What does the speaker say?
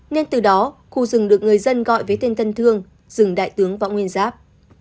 nên từ đó khu rừng được người dân gọi với tên tân thương rừng đại tướng võ nguyên giáp